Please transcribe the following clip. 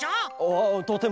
ああとても。